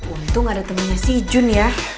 untung ada temannya si jun ya